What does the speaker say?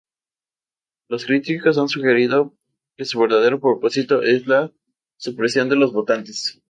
Los críticos han sugerido que su verdadero propósito es la supresión de los votantes.